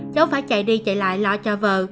cháu phải chạy đi chạy lại lo cho vợ